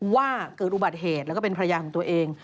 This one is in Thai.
ว่าเกิดอุบัติเหตุแล้วก็เป็นภรรยาของตัวเอง